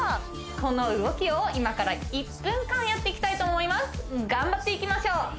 この動きを今から１分間やっていきたいと思います頑張っていきましょう！